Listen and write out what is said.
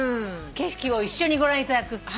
景色を一緒にご覧いただく。